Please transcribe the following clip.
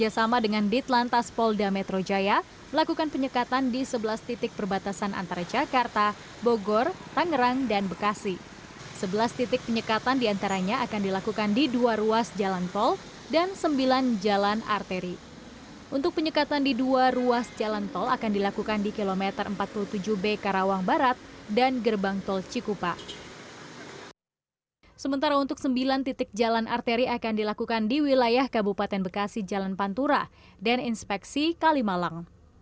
sementara untuk sembilan titik jalan arteri akan dilakukan di wilayah kabupaten bekasi jalan pantura dan inspeksi kalimalang